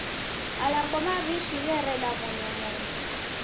Malagho maw'ishi ghereda monyomonyo.